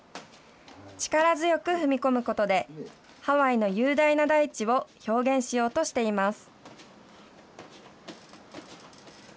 力強く踏み込むことで、ハワイの雄大な大地を表現しようとしています。